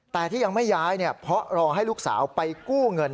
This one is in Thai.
แต่ที่ยังไม่ย้ายเพราะรอให้ลูกสาวไปกู้เงิน